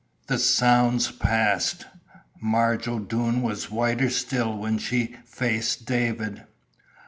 The sounds passed. Marge O'Doone was whiter still when she faced David.